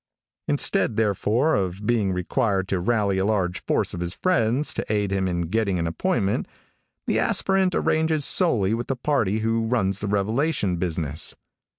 Instead, therefore, of being required to rally a large force of his friends to aid him in getting an appointment, the aspirant arranges solely with the party who runs the revelation business.